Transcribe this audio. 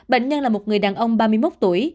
bệnh nhân là một người đàn ông ba mươi một tuổi